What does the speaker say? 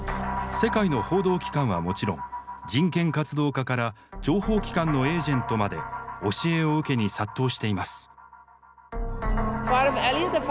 世界の報道機関はもちろん人権活動家から情報機関のエージェントまで教えを受けに殺到しています。